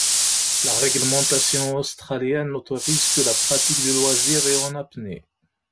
La réglementation australienne n'autorise que la pratique de loisir et en apnée.